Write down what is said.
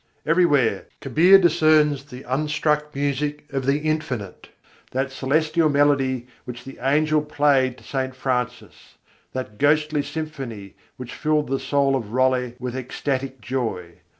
Everywhere Kabîr discerns the "Unstruck Music of the Infinite" that celestial melody which the angel played to St. Francis, that ghostly symphony which filled the soul of Rolle with ecstatic joy.